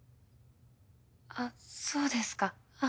あっそうですか。